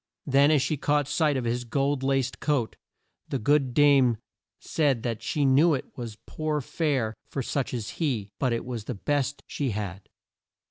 Then as she caught sight of his gold laced coat, the good dame said that she knew it was poor fare for such as he, but it was the best she had.